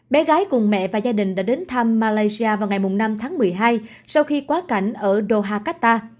bé gái cùng mẹ và gia đình đã đến thăm malaysia vào ngày năm tháng một mươi hai sau khi quá cảnh ở doha qatar